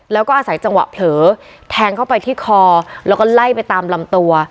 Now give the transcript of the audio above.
แล้วก็อาศัยจังหวะเผลอแทงเข้าไปที่คอแล้วก็ไล่ไปตามลำตัว